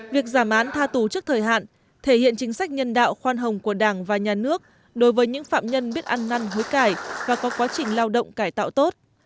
việc giảm án tha tù trước thời hạn thể hiện chính sách nhân đạo khoan hồng của đảng và nhà nước đối với những phạm nhân biết ăn năn hối cải và có quá trình lao động cải tạo tốt